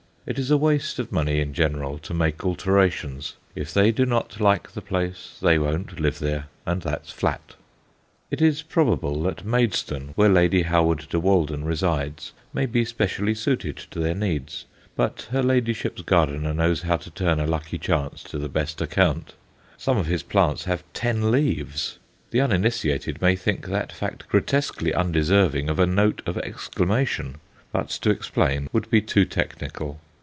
It is a waste of money in general to make alterations; if they do not like the place they won't live there, and that's flat! It is probable that Maidstone, where Lady Howard de Walden resides, may be specially suited to their needs, but her ladyship's gardener knows how to turn a lucky chance to the best account. Some of his plants have ten leaves! the uninitiated may think that fact grotesquely undeserving of a note of exclamation, but to explain would be too technical.